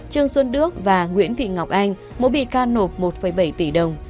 trương xuân đức và nguyễn thị ngọc anh mỗi bị can nộp một bảy tỷ đồng